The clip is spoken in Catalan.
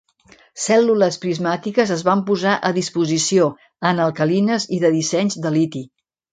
Cèl·lules prismàtiques es van posar a disposició en alcalines i de dissenys de liti.